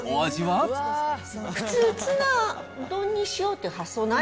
普通、ツナ丼にしようっていう発想ない？